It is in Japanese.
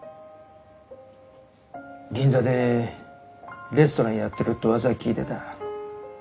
銀座でレストランやってるってうわさは聞いてた。